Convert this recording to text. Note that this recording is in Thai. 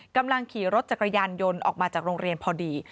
กำลังขี่รถจักรยานยนต์ออกมาจากโรงเรียนพอดี